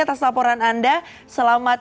atas laporan anda selamat